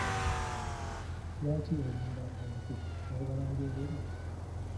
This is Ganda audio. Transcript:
Lwaki olimba abantu oyagala mbyogere?